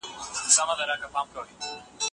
مسلکي مهارتونه د ښه کار موندلو کي مرسته کوي.